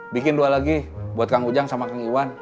bikin dua lagi buat kang ujang sama kang iwan